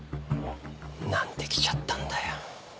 何で来ちゃったんだよ。